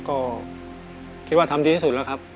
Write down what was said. ก็คิดว่าทำดีที่สุดแล้วครับ